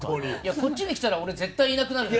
こっちに来たら俺、絶対いなくなるから。